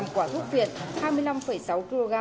quả thuốc phiện hai mươi năm sáu kg